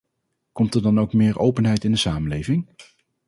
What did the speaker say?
Komt er dan ook meer openheid in de samenleving?